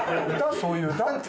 そういう歌？